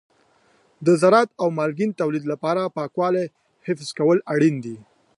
د زراعت او مالګین تولید لپاره د پاکوالي حفظ کول اړین دي.